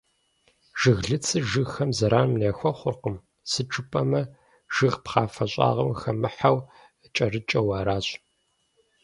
Жыглыцыр жыгхэм зэран яхуэхъуркъым, сыту жыпӏэмэ, жыг пхъафэ щӏагъым хэмыхьэу, кӏэрыкӏэу аращ.